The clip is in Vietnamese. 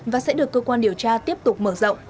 và sẽ được cơ quan điều tra tiếp tục mở rộng